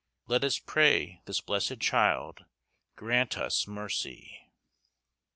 Let us pray this Blessed Child Grant us mercie."